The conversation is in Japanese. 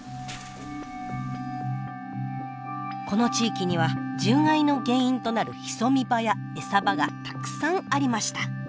この地域には獣害の原因となる潜み場やえさ場がたくさんありました。